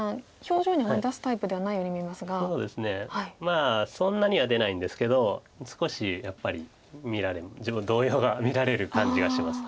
まあそんなには出ないんですけど少しやっぱり十分動揺が見られる感じがします。